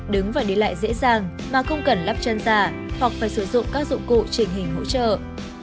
đứng và đi lại dễ dàng mà không cần lắp chân giả hoặc phải sử dụng các dụng cụ trình hình hỗ trợ